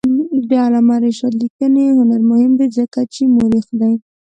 د علامه رشاد لیکنی هنر مهم دی ځکه چې مؤرخ دی.